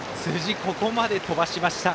辻、ここまで飛ばしました。